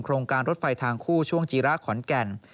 โรงการรถไฟทางคู่ช่วงจีระขอนแก่น